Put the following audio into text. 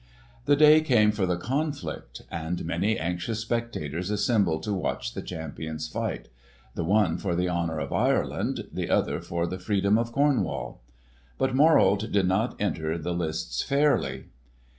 The day came for the conflict, and many anxious spectators assembled to watch the champions fight—the one for the honour of Ireland, the other for the freedom of Cornwall. But Morold did not enter the lists fairly.